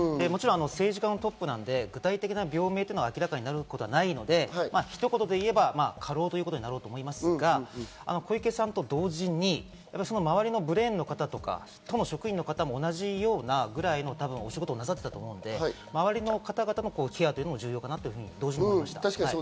政治家のトップなので、具体的な病名が明らかになることはないので、ひと言で言えば過労ということになろうと思いますが、小池さんと同時に周りのブレーンの方とか都の職員の方も同じようなぐらいのお仕事をなさっていたと思うので、周りの方のケアも重要かなと思いました。